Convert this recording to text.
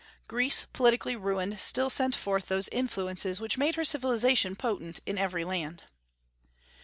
Greece, politically ruined, still sent forth those influences which made her civilization potent in every land.